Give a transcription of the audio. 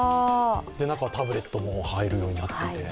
中はタブレットも入るようになっていて。